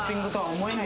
思えない